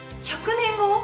１００年後？